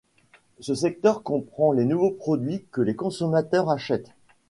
Ce secteur comprend les nouveaux produits que les consommateurs achètent -.